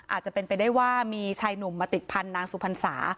อาจจะเป็นไปได้ว่ามีชายหนุ่มมาติดพันธนางสุพรรษา